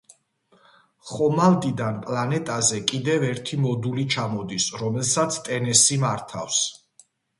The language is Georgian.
ხომალდიდან პლანეტაზე კიდევ ერთი მოდული ჩამოდის, რომელსაც ტენესი მართავს.